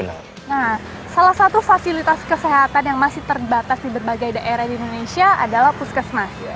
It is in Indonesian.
nah salah satu fasilitas kesehatan yang masih terbatas di berbagai daerah di indonesia adalah puskesmas